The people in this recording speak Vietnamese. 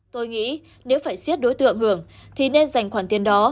tôi nghĩ nếu phải siết đối tượng hưởng thì nên dành khoản tiền đó